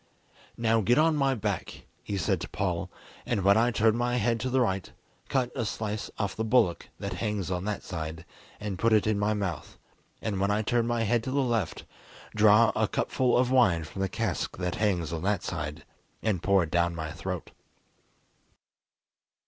"Now get on my back," he said to Paul, "and when I turn my head to the right, cut a slice off the bullock that hangs on that side, and put it in my mouth, and when I turn my head to the left, draw a cupful of wine from the cask that hangs on that side, and pour it down my throat."